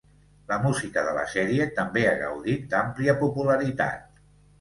La música de la sèrie també ha gaudit d'àmplia popularitat.